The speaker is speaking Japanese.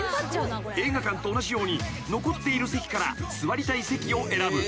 ［映画館と同じように残っている席から座りたい席を選ぶ。